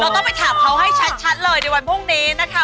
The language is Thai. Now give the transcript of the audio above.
ต้องไปถามเขาให้ชัดเลยในวันพรุ่งนี้นะคะ